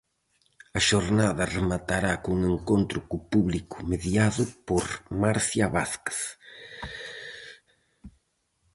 A xornada rematará cun encontro co público mediado por Marcia Vázquez.